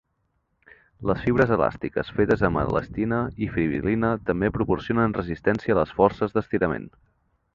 Les fibres elàstiques, fetes amb elastina i fibril·lina, també proporcionen resistència a les forces d'estirament.